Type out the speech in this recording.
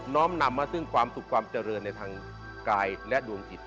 ้อมนำมาซึ่งความสุขความเจริญในทางกายและดวงจิต